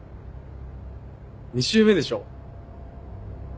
２周目でしょ？